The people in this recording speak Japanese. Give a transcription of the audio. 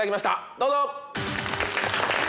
どうぞ！